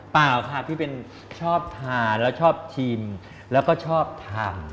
เปล่าค่ะพี่เบนชอบทานแล้วชอบชิมแล้วก็ชอบทำ